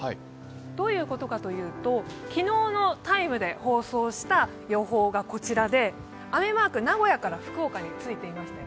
どういうことかというと、昨日の「ＴＩＭＥ’」で放送した予報がこちらで雨マーク、名古屋から福岡についていました。